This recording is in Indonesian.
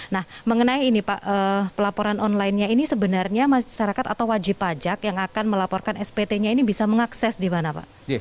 nah mengenai ini pak pelaporan onlinenya ini sebenarnya masyarakat atau wajib pajak yang akan melaporkan spt nya ini bisa mengakses di mana pak